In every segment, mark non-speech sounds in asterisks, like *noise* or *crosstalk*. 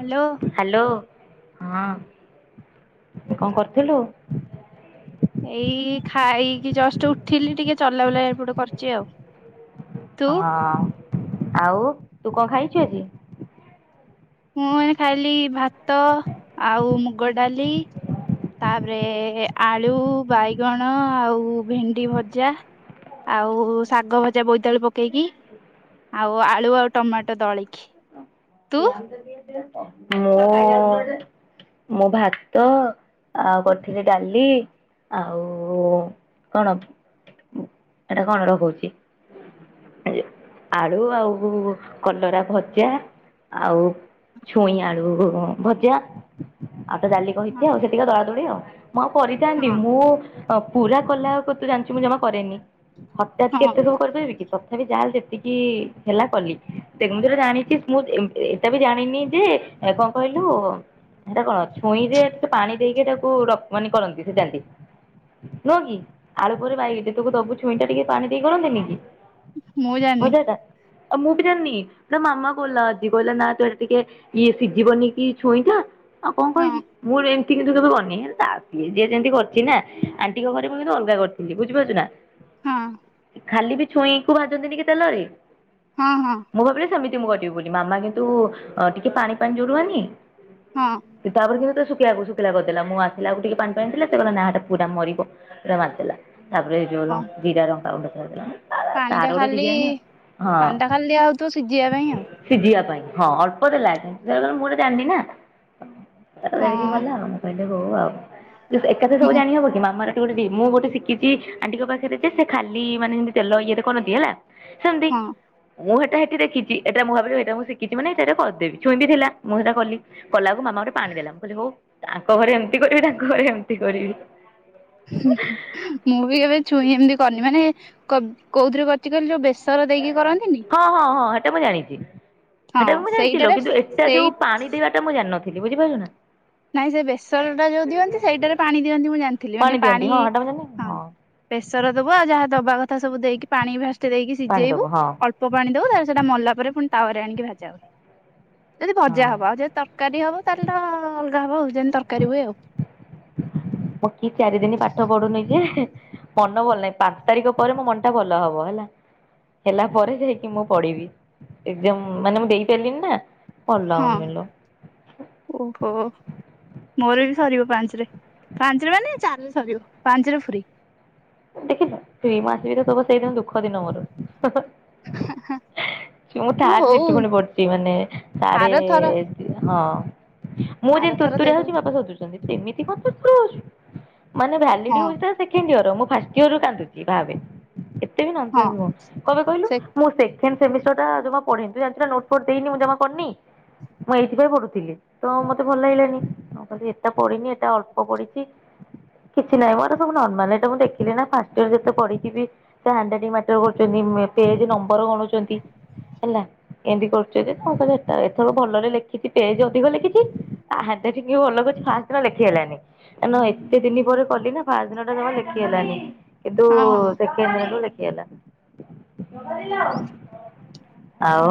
Hello hello. ହଁ କଣ କରୁଥିଲୁ? ଏଇ ଖାଇକି ଜଷ୍ଟ ଉଠିଲି ଟିକେ ଚଲା ବୁଲା ଏପଟେ କରୁଚି ଆଉ। ତୁ ହଁ ଆଉ ତୁ କଣ ଖାଇଚୁ ଆଜି? ମୁଁ ଏଇ ଖାଇଲି ଭାତ ଆଉ ମୁଗ ଡାଲି ତାପରେ ଆଳୁ ବାଇଗଣ ଆଉ ଭେଣ୍ଡି ଭଜା। ଆଉ ଶାଗ ଭଜା ବୋଇତିଆଳୁ ପକେଇକି। ଆଉ ଆଳୁ ଆଉ ଟମାଟୋ ଦଳକି। *unintelligible* ମୁଁ ମୁଁ ଭାତ ଆଉ କରିଥିଲି ଡାଲି ଆଉ କଣ, ଏଟା କଣ? ରହ କହୁଛି। ଆଳୁ ଆଉ କଲରା ଭଜା ଆଉ ଛୁଇଁ ଆଳୁ ଭଜା ଆଉ ତା ଡ଼ାଲି କହିଛି ହଁ ଆଉ ସେତିକ ଦଳାଦୋଳି ଆଉ। ମୁଁ ଆଉ କରିଥାନ୍ତି ହଁ ମୁଁ ହଁ ପୁରା କଲାଆକୁ ତୁ ଜାଣିଛୁ ମୁଁ ଜମା କରେନି, ହଠାତ୍ ହଁ କେତେ ସମୟ କରିପାରିବି କି ତତ ତଥାପି ଯାଲ ଯେତିକି ହେଲା କଲି। ଦେଖ ମୁଁ ଯୋଉରା ଜାଣିଛି ମୁଁ ଏମ୍-ଏମ୍-ଏଟା ବି ଜାଣିନି ଯେ ଏ କଣ କହିଲୁ ସେଟା କଣ ଛୁଇଁରେ ଟିକେ ପାଣି ଦେଇକି ତାକୁ ରଖ ମାନେ କରନ୍ତି, ସିଜାନ୍ତି ନୁହଁ କି ଆଳୁ ପୁରି ବାଇଗଛି ନିତୁକୁ ଦବୁ ଛୁଇଁଟା ଟିକେ ପାଣି ଦେଇ କରନ୍ତିନି କି? ମୁଁ ଜାଣିନି। ଭଜାଟା ଆଉ ମୁଁ ବି ଜାଣିନି, ତ ମାମା କଲା ଆଜି କହିଲା ନା ତୁ ଏଇଟା ଟିକେ ଇଏ ସିଝିବନି କି ଛୁଇଁଟା ଆଉ କଣ କହିବି? ହଁ ମୁଁ *unintelligible* କିନ୍ତୁ କେବେ କରିନି ହେଲା, ତାର ସିଏ ଯିଏ ଯେମିତି କରିଛି ନା ଆଣ୍ଟିଙ୍କ ଘରେ ମୁଁ କିନ୍ତୁ ଅଲଗା କରିଥିଲି, ବୁଝିପାରୁଚୁ ନା? ହଁ। ଖାଲି ବି ଛୁଇଁକୁ ଭାଜନ୍ତିନି କି ତେଲରେ, ହଁ ହଁ ମୁଁ ଭାବିଲି ସେମିତି ଯେ ମୁଁ କରିବି ବୋଲି। ମାମା କିନ୍ତୁ ଟିକେ ପାଣି ପାଣି ଯୋଉ ରୁହେନି, ହଁ ସେ ତାପରେ କିନ୍ତୁ ଶୁଖେଇଆକୁ ଶୁଖିଲା କରିଦେଲା। ମୁଁ ଆସିଲା ଆକୁ ଟିକେ ପାଣି ପାଣି ଥିଲା, ସେ କହିଲା ନା ସେଟା ପୁରା ମରିବ, ସେଟା ମାରିଦେଲା। ତାପରେ ଯୋଉ ହଁ ଲଙ୍କ ଜିରା ଲଙ୍କା ଗୁଣ୍ଡ ଦିଆ *unintelligible* ତା ପାଣି ତାର ଟା ଗୋଟେ ଖାଲି ଡିଜାଇନ ଆଉ। ହଁ ପାଣି ଟା ଖାଲି ଦିଆ ହଉଥିବ ସିଝିବା ପାଇଁ ଆଉ ସିଝିବା ପାଇଁ ହଁ ଅଳ୍ପ ଦେଲାଗି ସେତେବେଳେ ମୁଁ ଏଇଟା ଜାଣିନି ନାଁ ଦେରିକି ହଁ ଗଲା ଆଉ। ମୁଁ କହିଲି ହଉ ଆଉ ଏକାଥରେ ସବୁ ମୁଁ ଜାଣି ହବ କି? ମାମାର ଗୋଟେ ବି ମୁଁ ଗୋଟେ ଶିକିଚି ଆଣ୍ଟିଙ୍କ ପାଖରେ ଯେ, ସେ ଖାଲି ମାନେ ଯେମିତି ତେଲ ଇଏରେ କରନ୍ତି ହେଲା ସେମତି, ହଁ ମୁଁ ହେଠୁ ସେଟା ସେଠି ଦେଖିଛି। ଏଟା ମୁଁ ଭାବିଲି ଏଇଟା ମୁଁ ଶିଖିଛି ମାନେ ସେଇଟା କରିଦେବି। ଛୁଇଁ ବି ଥିଲା, ମୁଁ ସେଟା କଲି କଲା ଆକୁ ମାମା ଗୋଟେ ପାଣି ଦେଲା, ମୁଁ କହିଲି ହଉ ତ ଆଙ୍କ ଘରେ ଏମତି କରିବି ତାଙ୍କ ଘରେ ଏମତି କରିବି ମୁଁ ବି କେବେ ଛୁଇଁ ଏମତି କରିନି, ମାନେ କୋ-କୋଉଥିରେ କରିଚି କହିଲି ଯୋଉ ବେସ ସର ଦେଇକି କରନ୍ତିନି ସେଟା ମୁଁ ଜାଣିଛି। ହଁ ସେଟା ବି ମୁଁ ଜାଣିଚି ଲୋ, ସେଇଟାରେ କିନ୍ତୁ ଏଟା ଯୋଉ ସେଇ ପାଣି ଦେବାଟା ମୁଁ ଜାଣିନଥିଲି, ବୁଝିପାରୁିଲ ନା? ନାଇଁ ସେ ବେସରଟା ଯୋଉ ଦିଅନ୍ତି, ସେଇଟାରେ ପାଣି ଦିଅନ୍ତି ମୁଁ ଜାଣିଥିଲି। ମାନେ ଦିଅନ୍ତି ପାଣି ହଁ ହେଟା ମୁଁ ଜାଣିନି ହଁ ବେସର ଦବୁ ଆଉ ଯାହା ଦବା କଥା ସବୁ ଦେଇକି ପାଣି ଫାଷ୍ଟ ଦେଇକି ପାଣି ସିଜେଇବୁ, ଦବୁ ହଁ ଅଳ୍ପ ପାଣି ଦବୁ ତା ସେଇଟା ମଲା ପରେ ପୁଣି ତାପରେ ଆଣିକି ଭାଜା ହୁଏ। ଯଦି ହଁ ଭଜା ହବ ଆଉ ଯଦି ତରକାରୀ ହବ ତାହେଲେ ତ ଯେନ୍ତି ତରକାରୀ ହୁଏ ଆଉ। ପକି ଚାରି ଦିନ ପାଠ ପଢୁନି ଯେ ମନ ଭଲ ନାହିଁ, ପାଞ୍ଚ ତାରିଖ ପରେ ମୋ ମନ ଟା ଭଲ ହବ ହେଲା। ହେଲା ପରେ ଯାଇକି ମୁଁ ପଢିବି। ଏକ୍ଜାମ୍ ମାନେ ମୁଁ ଦେଇ ସାରିଲିଣି ନା ଭଲ ହଁ ହଉନି ଲୋ ଓହୋ। ମୋର ବି ସରିବ ପାଞ୍ଚରେ। ପାଞ୍ଚରେ ମାନେ ଚାରିରେ ସରିବ ପାଞ୍ଚରେ ଫ୍ରି। ଦେଖିଚ ଦୁଇ ମାସ ବି ତ ତବ ସେଇଦିନ ଦୁଃଖ ଦିନ ମୋର ମୁଁ ହଁ ଥାର୍ଡ ହଉ ସିଫ୍ଟ ପୁଣି ପଡ଼ିଛି ମାନେ ସାଢ଼େ ଆରଥର ହଁ। ମୁଁ ଯେମତି ଆରଥର ତୁରତୁରିଆ ଦେଇଦବୁ। ହଉଛି ବାପା ସୋଧୁଛନ୍ତି, ସେମିତି କଣ ତୁରତୁର୍ ହଉଛୁ। ମାନେ ଭ୍ୟାଲିଡି ହଁ ହଉଚି ତାର ସେକେଣ୍ଡ ଇୟର, ମୁଁ ଫାଷ୍ଟ ଇୟରରୁ କାନ୍ଦୁଛି ଭାବେ ହଁ *unintelligible* ମୁଁ କହିବେ କହିଲୁ ମୁଁ ସେ ସେମ୍ ସେମିଷ୍ଟର ଟା ଜମା ପଢ଼ିନି। ତୁ ଜାଣିଛୁ ନା ନୋଟ ଫୋଟ ଦେଇନି ମୁଁ ଜମା କରିନି ମୁଁ ଏଇଥିପାଇଁ ପଢୁଥିଲି, ତ ମତେ ଭଲ ଲାଗିଲାନି। ମୁଁ କହିଲି ଏଟା ପଢିନି ଏଟା ଅଳ୍ପ ପଢିଛି କିଛି ନାଇଁ ମୋର ସବୁ ନର୍ମାଲ। ଏଟା ମୁଁ ଦେଖି ସେଠି ନା ଫାଷ୍ଟ ଇୟର ଯେତେ ପଢିକି ବି, ସେ ହ୍ୟାଣ୍ଡ ରାଇଟିଙ୍ଗ ମ୍ୟାଟର କରୁଚନ୍ତି, ମେ ପେଜ୍ ନମ୍ବର ଗଣୁଛନ୍ତି ହେଲା। ଏମିତି କରୁଛନ୍ତି ତ କ ଏଥର ଭଲରେ ଲେଖିଛି ପେଜ ଅଧିକ ଲେଖିଛି, ତା ହ୍ୟା ଣ୍ଡ ରାଇଟିଙ୍ଗ ବି ଭଲ କରିଚି, ଫାଷ୍ଟ ଦିନ ଲେଖି ହେଲାନି। କାରଣ ଏତେ ଦିନି ପରେ କଲି ନା ଫାଷ୍ଟ ଦିନ ଟା ଜମା ଲେଖି ଖି ହେଲାନି। କିନ୍ତୁ ହଁ ସେକେଣ୍ଡ ଦିନଠୁ ଲେଖିହେଲା। ଆଉ?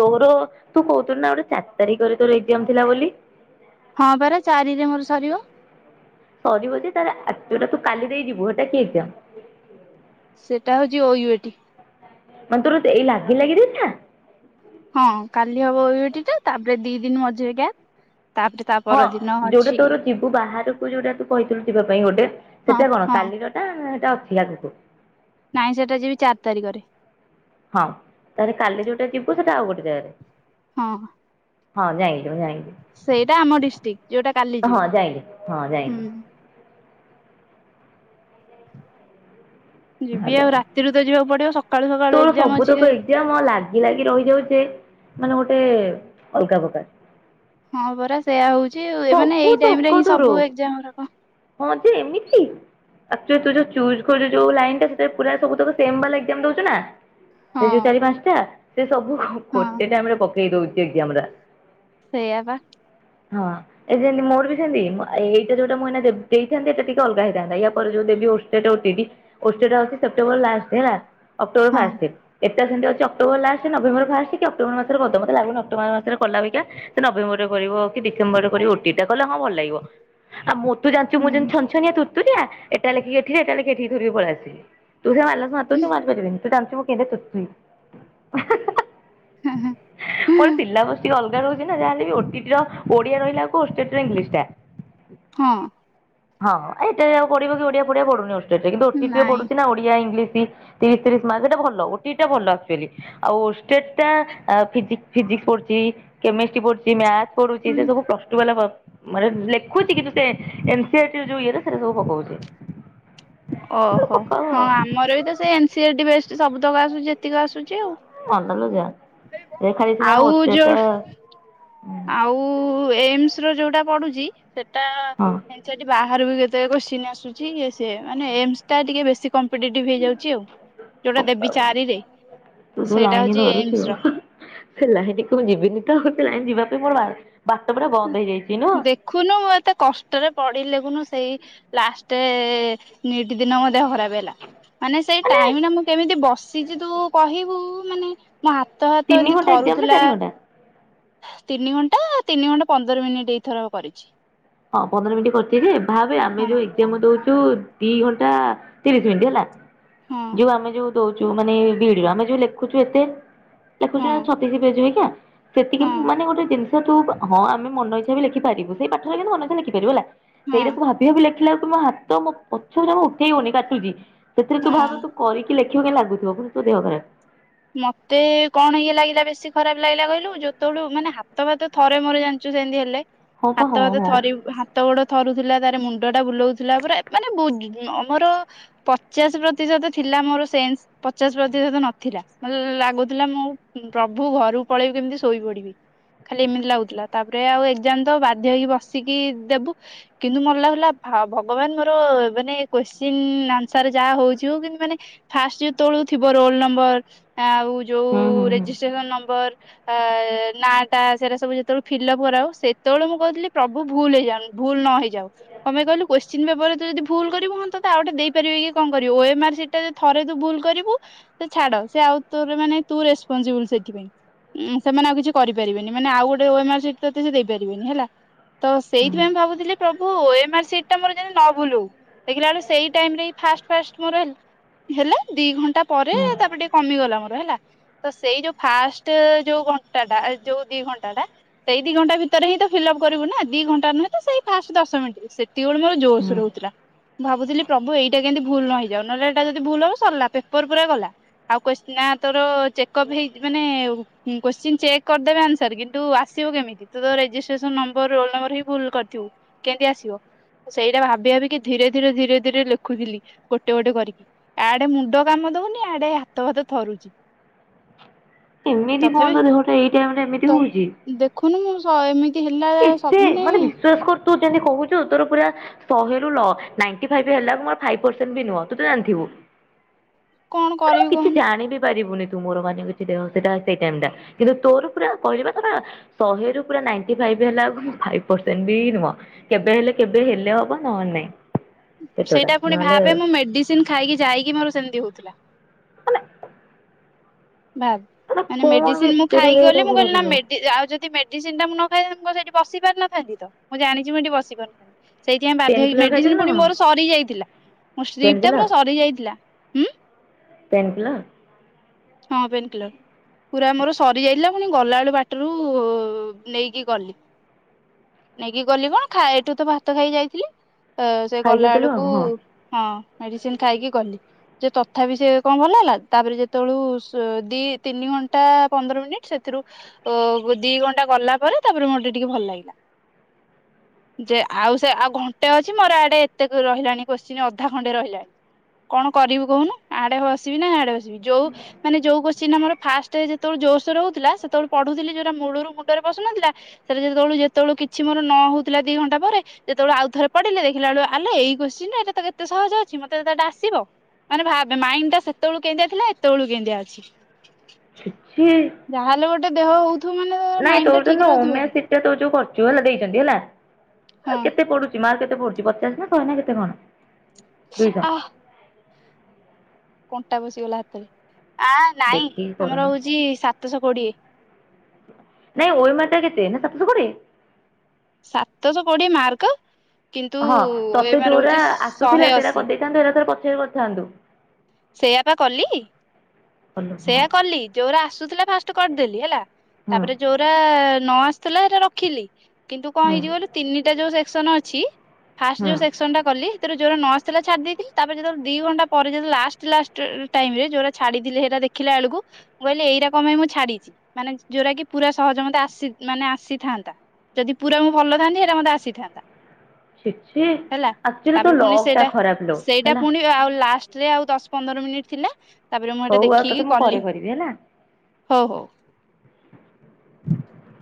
ତୋର ତୁ କହୁଥିଲୁ ନା ଗୋଟେ ଚାରି ତାରିଖରେ ତୋର ଏକ୍ଜାମ ଥିଲା ବୋଲି। ହଁ ପରା ଚାରିରେ ମୋର ସରିବ। ସରିବଯେ ତାଲେ ତୋଟା ତୁ କାଲି ଦେଇ ଯିବୁ ହେଟା କି ଏକ୍ଜାମ୍? ସେଟା ହଉଚି ଓ ୟୁ ଏ ଟି। ମାନେ ତୋର ଏଇ ଲାଗି ଲାଗି ଦି ଟା? ହଁ କାଲି ହବ ଓ ୟୁ ଏ ଟି ଟା ତାପରେ ଦି ଦିନ ମଝିରେ ଗ୍ୟାପ। ହଁ ଯଉଟା ତୋର ଯିବୁ ବାହାରକୁ ଯୋଉଟା ତୁ କହିଥିଲୁ ଯିବା ପାଇଁ ଗୋଟେ ହଁ ସେଟା କଣ ହଁ କାଲିରଟା? ସେଇଟା ଅଛି ଆଗକୁ। ନାଇଁ ସେଟା ଯିବି ଚାରି ତାରିଖରେ। ହଁ ତାହେଲେ କାଲି ଯୋଉଟା ଯିବୁ ସେଟା ଆଉ ଗୋଟେ ଜାଗାରେ। ହଁ। ହଁ ଯାଇଁ। ସେଇଟା ଆମ ଡିଷ୍ଟ୍ରିକ୍ଟ ଯୋଉଟା କାଲି ଯାଇକି ହଁ ଯିବି ଯାଇଲିି ହଁ ଯାଇଲି। ହୁଁ ଯିବି ଭଲ ଆଉ ରାତିରୁ ତ ଯିବାକୁ ପଡିବ ସ ତୋର ସବୁତକ ଏକ୍ଜାମ୍ ଲାଗି ଲାଗି ରହିଯାଉଛେ ଯେ ମାନେ ଗୋଟେ ଅଲଗା ପ୍ରକାର। ହଁ ପରା ସେଇୟା ହଉ ସବୁ ତକ ତୋର ଗୁରାକ ହଁ ଯେ ଏମିତି ଏକ୍ଟୁଆଲି ତୁ ଯୋଉ ଚୂଜ କରିଚୁ ଯୋଉ ଲାଇନଟା ସେଥିରେ ପୁରା ସବୁତକ ସେମ ବାଲା ଏକ୍ସାମ୍ ଦଉଛୁ ନା? ହଁ ସେ ଯୋଉ ଚାରି ପାଞ୍ଚଟା ସେ ସବୁ ହଁ ଗୋଟେ ଟାଇମରେ ପକେଇ ଦଉଚି ଏକ୍ଜାମଗୁରା। ସେୟାଵା। ହଁ। ଏ ଯେମିତି ମୋର ବି ସେମତି ଏଇଟା ଯୋଉଟା ଏଇନା ଦେଇଥାନ୍ତି ଏଇଟା ଟିକେ ଅଲଗା ହେଇଥାନ୍ତା ଏହା ପରେ ଓ ଟେଡି ଓଷ୍ଟେ ଟା ହଉଚି ସେପ୍ଟେମ୍ବର ଲାଷ୍ଟରେ ହେଲା ଅକ୍ଟୋବର ହଁ ଫାଷ୍ଟ। ଏ ମୋତେ ଯେମିତି ଲାଗୁଚି ଅକ୍ଟୋବର ଲାଷ୍ଟ ନଭେମ୍ୱର ଫାଷ୍ଟ କି ଅକ୍ଟୋବର ମାସରେ କରିଦବ। ମୋତେ ଲାଗୁନି ଅକ୍ଟୋବର ମାସରେ କଲାପିକା ସେ ନଭେମ୍ବରରେ କରିବ କି ଡିସେମ୍ୱରରେ କରିବ ଓ ଟି ଇ ଟି ଟା କଲେ ହଁ ଭଲ ଲାଗିବ, ଆଉ ମୁଁ ତ ଜାଣିଚୁ ମୁଁ ହୁଁ ଯୋଉ ଛନଛନିଆ। ତୁ ଯା ଏଟା ଲେଖି ଏଠି ଏଟା ଲେଖି ଧରି ପଲେଇ ଆସେ, ତୁ ଯୋଉ ମାଲସ ମାରିଦଉଚୁ ମୁଁ ମାରିପାରିବିନି। ତୁ ଜାଣିଚୁ ମୁଁ କେତେ ତୁରୁ ତୁରୀ, ମୋର ସିଲାବସ ଟିକେ ଅଲ ରହୁଚି ଯାହାହେଲେ ବି ଓ ଟି ଟିର ଓଡ଼ିଆ ରହିଲାକୁ ଓଷ୍ଟିଟର ଇଂଲିଶ ଟା। ହଁ। ହଁ ଏଇଟା ଆଉ ପଢିବ କି ଓଡିଆ ପଢୁନି ଓଷ୍ଟିଟରେ କିନ୍ତୁ ଓଟିଟିରେ ପଡୁଚି ନାଇଁ ନା ଓଡିଆ ଇଂଲିଶ। ତି ତିରିଶ ତିରିଶ ମାର୍କ ଏଟା ଭଲ ଓ ଟି ଟି ଟା ଭଲ ଆକଚୁଆଲି ଆଉ ଓଷ୍ଟିଟ ଟା ଫିଯିକ ଫିଯିକ୍ ନସ ପଡୁଚି, କେମେଷ୍ଟି ପଡୁଚି, ମ୍ୟାଥ ପଡୁଚି ସେସବୁପ୍ଲସଟୁ ବଲ ପ ମାନେ ଲେଖୁଚି କିନ୍ତୁ ସେ ଏନ ସି ଆର ଟି ଯୋଉ ସେଗୁରା ସବୁ ପକଉଚି। ଓହୋ ହଁ ଆମର ବି ତ ସେ ଏନ୍ସିଆରଟି ବେଷ୍ଟ ସବୁତକ ଆସୁଚି ଏତିକି ଆସୁଚି ମନଲୋ ଯା ଆଉ ଏ ଖାଲି ସିନା ଆଉ ଓଷ୍ଟେଜ ଟା ଯୋଉ ଆଉ ଏମ୍ସ ର ଯୋଉଟା ପଡୁଚି ସେଟା ହଁ ଏଠି ବାହରେ ବି କେତେ କେତେ ଯାକ କୋଶ୍ଚିନ୍ ଆସୁଚି ୟେ ସିଏ ମାନେ ଏମସ ଟା ଟିକେ ବେଶୀ କମ୍ପିଟେଟିଭ ହେଇଯାଉଚି ଆଉ, ଯୋଉଟା ଦେବି ପକାଉ ଚାରିରେ ତୁ ଯୋଉ ସେଇଟା ଲାଇନ ହଉଛି ଏମ୍ସ ଧରୁଚୁ। ର। ସେ ଲାଇନ ମୁଁ ଯିବିନି ତ ସେ ଲାଇନ ଯିବା ପାଇଁ ମୋର ବା ଦେଖୁନୁ ମୁଁ ଏତେ କଷ୍ଟରେ ପଡିଲି ଦେଖୁନୁ ସେଇ ଲାଷ୍ଟ ନିଟ ଦିନ ମୋ ଦେହ ଖରାପ ହେଲା। ମାନେ ସେଇ ଟାଇମ ଟା ମୁଁ କେମିତି ବସିଚି ତୁ କହିବୁ ମାନେ ମୋ ହାତ ହାତ ତିନି ଏମତି ଘଣ୍ଟା ଏକ୍ଜାମ ନା ଥରୁଥିଲା। ଚାରି ଘଣ୍ଟା? ତିନି ଘଣ୍ଟା ତିନି ଘଣ୍ଟା ପନ୍ଦର ମିନିଟ ଏଇଥର କରିଚି। ହଁ ପନ୍ଦର ମିନିଟ୍ କରିଚି ଯେ ଭାବେ ଆମେ ହଁ ଯୋଉ ଏକ୍ଜାମ ଦଉଚୁ ଦି ଘଣ୍ଟା ତିରିଶ ମିନିଟ୍ ହେଲା ହଁ ଯୋଉ ଆମେ ଯୋଉ ଦଉଚୁ ମାନେ ବି ଇ ଡି, ଆମେ ଯୋଉ ଲେଖୁଚୂ ଏତେ ହଁ ଲେଖୁଚୁ ଛତିଶ ପେଜ ହେଇକା। ସେତିକି ହଁ ମାନେ ଗୋଟେ ଜିନିଷଠୁଁ, ହଁ ଆମେ ମନଇଛା ବି ଲେଖିପାରିବୁ ସେଇ ପାଠରେ କିମତି ମନଇଛା ଲେଖିପାରିବୁ ହେଲା। ହଁ ସେଇଟାକୁ ଭାବି ଭାବି ଲେଖିଲା ବେଳକୁ ମୋ ହାତ ମୋ ପଛତକ ଉଠେଇ ହଉନି କାଟୁଛି। ସେଥିରେ ତୁ ଭାବେ ହଁ। ତୁ କରିକି ଲେଖିବୁ କେମିତି ଲାଗୁଥିବ, ପୁଣି ତୋ ଦେହ ଖରାପ। ମତେ କଣ ଇଏ ଲାଗିଲା ବେଶୀ ଖରାପ ଲାଗିଲା କହିଲୁ ଯେତେବେଳୁ, ମାନେ ହାତ ଫାତ ଥରେ ମୋର ଜାଣିଚୁ ତୁ ସେମିତି ହେଲେ। ହଁ ପା ହଁ ହାତ ଫାତ ହଁ ଥରି ହାତ ଗୋଡ ଥରୁଥିଲା ତାର ମୁଣ୍ଡଟା ବୁଲଉଥିଲା ପରା ମାନେ ବୁ ମର ପଚାଶ ପ୍ରତିଶତ ଥିଲ ମୋର ସେନ୍ସ ପଚାଶ ପ୍ରତିଶତ ନଥିଲା। ମୋତେ ଲାଗୁଥିଲା ମୁଁ ପ୍ରଭୁ ଘରକୁ ପଳେଇବି କେମିତି ଶୋଇପଡିବି। ଖାଲି ଏମିତି ଲାଗୁଥିଲା। ତାପରେ ଆଉ ଏଜ୍ଜାମ୍ ତ ବାଧ୍ୟ ହେଇକି ବସିକି ଦେବୁ। କିନ୍ତୁ ମତେ ଲାଗୁଥିଲା ହଁ ଭଗବାନ ମୋର ମାନେ କୋଶ୍ଚିନ୍ ଆନ୍ସର ଯାହା ହଉଚି ହଉ କିନ୍ତୁ ମାନେ ଫାଷ୍ଟ ଯେତେ ବେଳୁ ଥିବ ରୋଲ ନମ୍ବର ଆଉ ଯୋଉ ହୁଁ ହୁଁ ହୁଁ ରେଜିଷ୍ଟ୍ରେସନ ନମ୍ବର ଅ ନାଟା ସେଟା ସବୁ ଯେତେବେଳେ ଫିଲ୍ ଅପ କରାଉ ସେତେବେଳେ ମୁଁ କହୁଥିଲି ପ୍ରଭୁ ଭୁଲ ହେଇଯାଉ ଭୁଲ ନହେଇଯାଉ। କଣ ପାଇଁ କହିଲୁ କୋଶ୍ଚିନ୍ ପେପର ରୁ ଯଦି ଭୁଲ କରିବୁ ମୁଁ ତତେ ଆଉ ଗୋଟେ ଦେଇପାରିବେ କି କଣ କରିବି। ଓଏମ୍ଆର ସିଟ୍ ରେ ଯଦି ଥରେ ତୁ ଭୁଲ କରିବୁ ସେ ଛାଡ ସେ ଆଉ ତୋ ମାନେ ତୁ ରେସପନସିବୁଲ ସେଥିପାଇଁ। ଉଁ ସେମାନେ ଆଉ କିଛି କରିପାରିବେନି। ମାନେ ଆଉ ଗୋଟେ ଓଏମଆର୍ ସିଟ୍ ତତେ ସେ ଦେଇପାରିବେନି ହେଲା। ତ ହୁଁ ସେଇଥିପାଇଁ ଭାବୁଥିଲି *unintelligible* ଓଏମ୍ଆର୍ ସିଟ୍ ଟା ଯେମିତି ମୋ ନ ଭୁଲ୍ ହଉ। ଦେଖିଲା ବେଳୁ ସେଇ ଟାଇମ ରେ ଫାଷ୍ଟ ମୋର ହେଲା ଦି ଘଣ୍ଟା ପରେ ହୁଁ ତାପରେ ଟିକେ କମିଗଲା। ହେଲା। ତ ସେଇ ଯୋଉ ଫାଷ୍ଟ୍ ଯୋଉ ଘଣ୍ଟାଟା ଯୋଉ ଦି ଘଣ୍ଟାଟା ସେଇ ଦି ଘଣ୍ଟା ଭିତରେ ହିଁ ତ ଫିଲ୍ଅପ କରିବୁ ନା ଦି ଘଣ୍ଟା ନୁହେଁ ତ ସେଇ ଫାଷ୍ଟ ଦଶ ମିନିଟ। ସେତିକିବେଳେ ମୋର ଜୋର ସୋରେ ହୁଁ। ହଉଥିଲା। ଭାବୁଥିଲି ପ୍ରଭୁ ଏଇଟା କେମିତି ଭଲ ନ ହେଇଯାଉ ନହେଲେ ଏଟା ଯଦି ଭୁଲ ହବ ସରିଲା ପେପ ପା ଗଲା ଆଉ ନା ତୋର ଚେକଅପ୍ ହେଇ ମାନେ କୋଶ୍ଚିନ୍ ଚେକ୍ କରିଦେବେ ଆନ୍ସର କିନ୍ତୁ ତୁ ଆସିବ କେମିତି? ରେଷ୍ଟ୍ରେସନ ନମ୍ବର ରୋଲ ନମ୍ବର ହିଁ ଭୁଲ କରିଥିବୁ କେମିତି ଆସିବ। ସେଇଟା ଭାବି ଭାବିକି ଧୀରେ ଧୀରେ ଧୀରେ ଧୀରେ ଲେଖୁଥିଲି ଗୋଟେ ଗୋଟେ କରିକି। ଆଡେ ମୁଣ୍ଡ କାମ ଦବନି ଆଡେ ହାତ ଭାତ ଥରୁଚି। ଏମିତି କଣ ପାଇଁ ଦେହଟା ଏଇ ଟାଇମରେ ଏମିତି ହଉଚି। ହଁ ଏମିତି ହେଲା ସବ ମତେ ମାନେ ବିଶ୍ୱାସ କରୁ ତୁ ଯେମିତି କହୁଚୁ ତୋର ପୁରା ଶହେରୁ ନାଣ୍ଟି ଫାଇବ୍ ହେଲା ବେଳକୁ ମୋର ଫାଇବ ପରସେଣ୍ଟ ବି ନୁହଁ ତୁ ତ ଜାଣିଥିବୁ। *inaudible* ମାନେ ମୁଁ କରିବି କିଛି କହୁନୁ ଜାଣି ବିି ପାରିବୁନି। ମୋର ମାନେ କିଛି ଦେହ ସେଟା ସେଇ ଟାଇମ୍ ଟା। କିନ୍ତୁ ତୋର ପୁରା କହିଲି ପା ପୁରା ଶହେ ରୁ ପୁରା ନାଇଣ୍ଟି ଫାଇପ୍ ସିଏ ବି ହେଲା ବେଳକୁ ମୁଁ ଫାଇବ ପରସେଣ୍ଟ ବି ନୁହଁ। କେବେ ହେଲେ କେବେ ହେଲେ ହବ ନହେଲେ ନାଇଁ। ପେଟଟା ସେଇଟା ପୁଣି ନହେଲେ ଭାବେ ମୁଁ ମେଡିସିନ ଖାଇକି ଯାଇକି ମୋର ସେମିତି ହଉଥିଲା। ମାନେ ବା ମାନେ କଣ ବେ ମେଡିସିନ ମୁଁ ଏତେ ତୋ ଖାଇକି ଦେହଟା ଗଲେ ମୁଁ ଖରାପ କହିଲି ହେଲା? ନା ଆଉ ଯଦି ମେଡିସିନ ଟା ମୁଁ ନ *unintelligible* ମି ସେଠି ବସି ପାରୁନଥାନ୍ତି ତ। ମୁଁ ଜଣିଛି ମୁଁ ସେଠି ବସି ପାରିନଥାନ୍ତି। ସେଇଥିପାଇଁ ପେନ୍ ବାଧ୍ୟ ହେଇକି କିଲର ଖାଇଥିଲୁ ମେଡିସିନ ନା ପୁଣି କଣ? ମୋର ସରିଯାଇଥିଲା। ମୋ ପେନ୍ ଷ୍ଟ୍ରିପ ଟା କିଲର ପୁରା ସରିଯାଇଥିଲା। ଉଁ। Pain killer. ହଁ ପେନ୍ କିଲର। ପୁରା ମୋର ସରିଯାଇଥିଲା। ପୁଣି ଗଲାବେଳୁ ବାଟରୁ ନେଇକି ଗଲି। ନେଇକି ଗଲି କଣ ଖା ଏଇଠୁ ତ ଭାତ ଖାଇ ଯାଇଥିଲି। ସେ ଖାଇକି ଗଲା ଥିଲୁ ବେଳକୁ ଆଉ ହଁ। ହଁ ମେଡିସିନ ଖାଇକି ଗଲି। ଯେ ତଥାପି ସେ କଣ ଭଲ ହେଲା। ତାପରେ ଯେତେବେଳକୁ ଦି ତିନି ଘଣ୍ଟା ପନ୍ଦର ମିନିଟ ସେଥିରୁ ଦି ଘଣ୍ଟା ଗଲା ପରେ ତାପରେ ମ ମତେ ଟିକେ ଭଲ ଲାଗିଲା। ଯେ ଆଉ ସେ ଆଉ ଘଣ୍ଟେ ଅଛି ମୋର ଆଡେ ଏତେ ରହିଲାଣି କୋଶ୍ଚିିନ ଅଧା ଖଣ୍ଡେ ରହିଲାଣି। କଣ କରିବୁ କହୁନୁ ଆଡେ ବସିବି ନା ହାଡେ ବସିବି। ଯୋଉ ମାନେ ଯୋଉ କୋଶ୍ଚିନ୍ ଆମର ଫାଷ୍ଟ ଯେତେବେଳେ ଜୋର ସୋର ହଉଥିଲା ସେତେବେଳେ ପଢୁଥିଲି ଯୋଉଟା ମୂଳରୁ ମୁଣ୍ଡରେ ପଶୁନଥିଲା ସେ ଯେତେବେଳ କୁ ଯେତେବେଳେ କିଛି ମୋର ନ ହଉଥିଲା ଦି ଘଣ୍ଟା ପରେ ଯେତେବେଳେ ଆଉଥରେ ପଢିଲି ଦେଖିଲା ବେଳକୁ ଆଲୋ ଏଇ କୋସ୍ *unintelligible* ଏଟା ତ ଏତେ ସହଜ ଅଛି। ମତେ ତ ଏଟା ଆସିବ। ମାନେ, ଭାବେ ମାଇଣ୍ଡ ଟା ସେତେବେଳୁ କେଏଁତିଆ ଥିଲା ଏତେବେଳୁ କେନ୍ଦିଆ ଅଛି। ଛିଛି ଯାହାହେଲେ, ଗୋଟେ ଦେହ ହଉ ନାଇଁ, ତୋର ଯୋଉ ଓମେ ସିଟ ଟଉ ଯୋଉ କରୁ ଯଉ ହେଲା ଦେଇଛନ୍ତି ହେଲା। ହଁ ଆ କେତେ ପଡୁଛି ମାର୍ କେତେ ପଡୁଛି ପଚାଶ ନା ଶହେ ନା କେତେ କଣ? ଦୁଇ ଶ। ଆଃ କଣ୍ଟା ପସିଗଲା ହାତରେ। ଆ ନାଇଁ ଦେଖିକି ଆମର କରୁନୁ ହଉଛି, ସାତଶହ କୋଡିଏ। ନାଇଁ ୱାଲ୍ ମାଟରେ କେତେ? ନା ସାତ ସ କୋଡିଏ? ସାତଶହ କୋଡିଏ ମାର୍କ! କିନ୍ତୁ ହଁ, ତତେ ଓଏମଆର ଯୋଉରା ହଉଛି ଶହେ ଆସୁଥିଲା। ସେଇରା ଅଶୀ କରିଦେଇଥାନ୍ତୁ ଏଇରା ଥରେ, ପଛରେ କରିଥାନ୍ତୁ। ସେଇଆପା କଲି! ଭଲ ହଁ ସେଇଆ କଲି। ଯୋଉରା ଆସୁଥିଲା ଫାଷ୍ଟ କରିଦେଲି ହେଲା, ହୁଁ ତା'ପରେ ଯୋଉରା ନ ଆସୁଥିଲା ହେରା ରଖିଲି। କିନ୍ତୁ, କଣ ହୁଁ ହେଇଚି କହିଲୁ, ତିନିଟା ଯୋଉ ସେକ୍ସନ ଅଛି, ଫାଷ୍ଟ ହୁଁ ଯୋଉ ସେକ୍ସନ ଟା କଲି ଯଉଟା ନ ଆସୁ ଥିଲା ଛାଡି ଦେଇଥିଲି। ତା'ପରେ ଯେତେଳେ ଦି ଘଣ୍ଟା ପରେ ଯଦି ଲାଷ୍ଟ ଲାଷ୍ଟ୍ ଟାଇମ୍ ରେ ଯୋଉରା ଛାଡିଥିଲି, ହେରା ଦେଖିଲା ଆଳକୁ ମୁଁ, କହିଲି ଏଇରା କଣ ପାଇଁ ମୁଁ ଛାଡିଛି? ମାନେ ଯ ଯଉଟା କି ପୁରା ସହଜ ମତେ ଆସି ମାନେ ଆସିଥାନ୍ତା। ଯଦି ପୁରା ମୁ ଭଲ ଥାନ୍ତି। ହେଟା ମତେ ଆସିଥାନ୍ତା। ଛିଛି ହେଲା, ଆକ୍ଚୁଆଲି ତୋ ତାପରେ ପୁଣି ଲକ୍ ଟା ସେଇଟା, ଖରାପ ଲୋ ସେଇଟା ହେଲା ପୁଣି ଆଉ ଲାଷ୍ଟ। ରେ ଆଉ ଦଶ ପନ୍ଦର ମିନିଟ୍ ଥିଲା। ତା'ପରେ ମୁଁ ଏଇଟା ହଉ ଆଉ ତତେ ଦେଖିକି ମୁଁ ପରେ କଲି। କରିବି ହେଲା ହଉ ହଉ। *unintelligible*